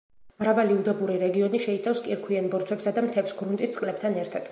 მრავალი უდაბური რეგიონი შეიცავს კირქვიან ბორცვებსა და მთებს, გრუნტის წყლებთან ერთად.